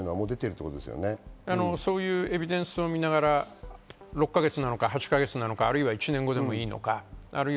そういうエビデンスを見ながら６か月なのか８か月なのか、あるいは１年後でもいいのか。